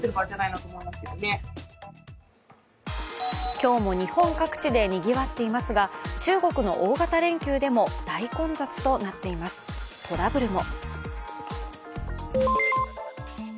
今日も日本各地でにぎわっていますが、中国の大型連休でも大混雑となっています、トラブルも。